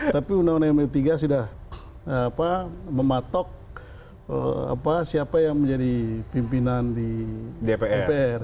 tapi undang undang md tiga sudah mematok siapa yang menjadi pimpinan di dpr